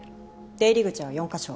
出入り口は４カ所。